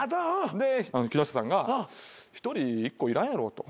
で木下さんが１人１個いらんやろと。